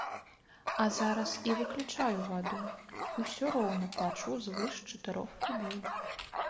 А зараз і выключаю ваду, і ўсё роўна плачу звыш чатырох кубоў.